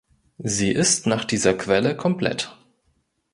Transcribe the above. Sie ist nach dieser Quelle komplett.